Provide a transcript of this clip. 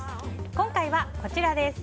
今回はこちらです。